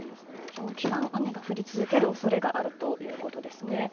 長期間、雨が降り続ける可能性があるということですね。